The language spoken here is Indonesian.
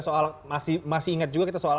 soal masih ingat juga kita soal